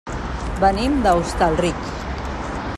Venim de Hostalric.